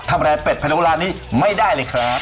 ทำอะไรเป็ดพะโลดอนนี้ไม่ได้เลยครับ